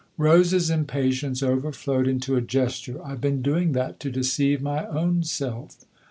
Rose's impatience overflowed into a gesture* " I've been doing that to deceive my own self